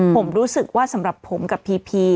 ผมรู้สึกว่าสำหรับผมกับพีพี